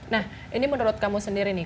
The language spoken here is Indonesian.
nah ini menurut kamu sendiri nih